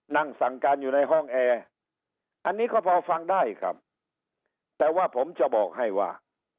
นั่งสั่งการอยู่ในห้องแอร์อันนี้ก็พอฟังได้ครับแต่ว่าผมจะบอกให้ว่า